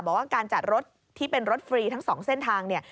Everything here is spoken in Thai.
บอกว่าการจัดรถที่เป็นรถฟรีทั้งสองเส้นทางเนี่ย